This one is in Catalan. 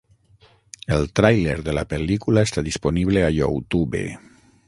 El tràiler de la pel·lícula està disponible a YouTube.